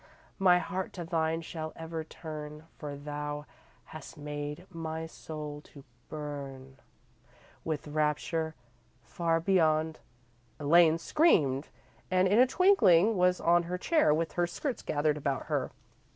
My heart to thine shall ever turn For thou hast made my soul to burn With rapture far beyond Elaine screamed, and in a twinkling was on her chair with her skirts gathered about her.